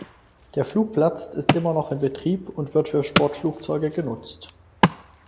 Der Flugplatz ist immer noch in Betrieb und wird für Sportflugzeuge genutzt.